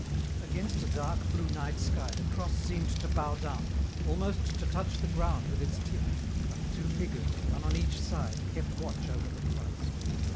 Against a dark blue night sky the cross seemed to bow down, almost to touch the ground with its tip, while two figures, one on each side, kept watch over the Christ.